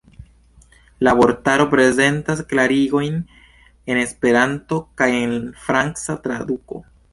La vortaro prezentas klarigojn en Esperanto kaj en franca traduko.